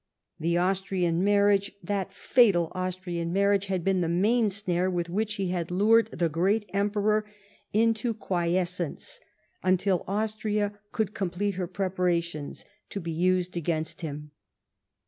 The Austrian marriage — that fatal Austrian marriage — had been the main snare with which he had lured the great Emperor into quiescence until Austria could complete her preparations, to be used against him.